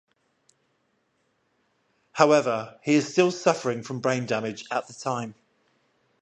However, he is still suffering from brain damage at the time.